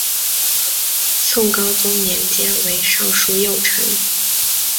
宋高宗年间为尚书右丞。